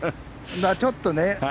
ちょっとね。